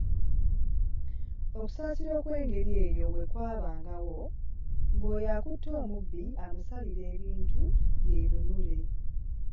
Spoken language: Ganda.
"Okusaasira okw’engeri eyo bwe kwabangawo, ng’oyo akutte omubbi amusalira ebintu yeenunule."